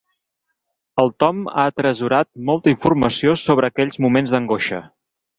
El Tom ha atresorat molta informació sobre aquells moments d'angoixa.